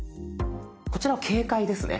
こちらは警戒ですね。